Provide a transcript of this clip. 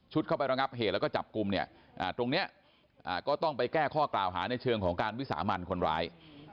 เข้าไประงับเหตุแล้วก็จับกลุ่มเนี่ยตรงนี้ก็ต้องไปแก้ข้อกล่าวหาในเชิงของการวิสามันคนร้าย